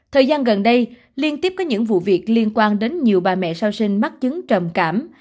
thời gian gần đây liên tiếp có những vụ việc liên quan đến nhiều bà mẹ sau sinh mắc chứng trầm cảm